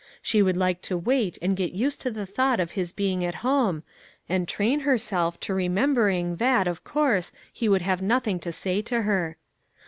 She would like to wait and get used to the thought of his being at home, and train herself to remembering that, of course, he would have nothing to say to her.